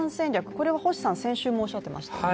これは先週もおっしゃっていましたね。